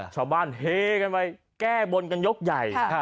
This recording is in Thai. ชาวบ้านเฮกันไปแก้บนกันยกใหญ่